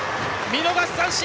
見逃し三振！